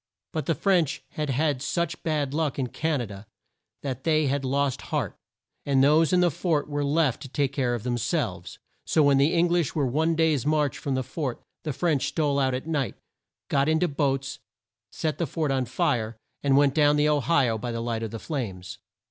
But the French had had such bad luck in Can a da, that they had lost heart, and those in the fort were left to take care of them selves. So when the Eng lish were one day's march from the fort, the French stole out at night, got in to boats, set the fort on fire, and went down the O hi o by the light of the flames.